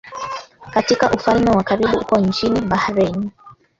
katika ufalme wa karibu huko nchini Bahrain